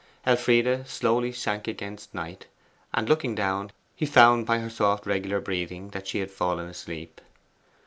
Elfride slowly sank against Knight, and looking down, he found by her soft regular breathing that she had fallen asleep.